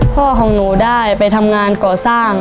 พ่อของหนูได้ไปทำงานก่อสร้าง